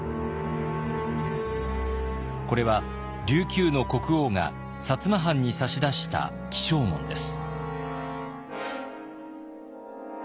これは琉球の国王が摩藩に差し出した起請文です。